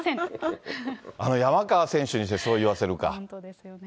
山川選手にしてそう言わせるか。